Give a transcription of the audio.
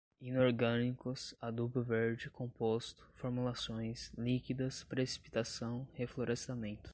inorgânicos, adubo verde, composto, formulações, líquidas, precipitação, reflorestamento